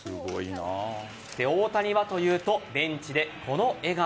大谷はというとベンチでこの笑顔。